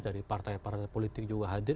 dari partai partai politik juga hadir